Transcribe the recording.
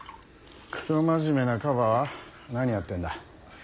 クソ真面目なカバは何やってんだ。